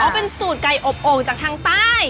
เป็นสูตรไก่อบโอ่งจากทางใต้